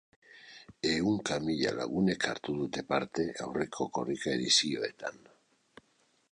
Ehunka mila lagunek hartu dute parte aurreko Korrika edizioetan.